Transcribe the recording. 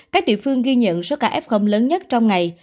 các địa phương ghi nhận số ca f lớn nhất trong ngày